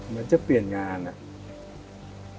มันจะเปลี่ยนงานอะ